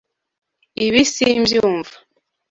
Ibi simbyumva.